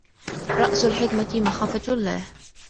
رأس الحكمة مخافة الله.